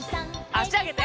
あしあげて。